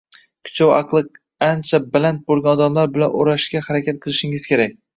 kuchi va aqli ancha baland bo’lgan odamlar bilan o’rashga harakat qilishingiz kerak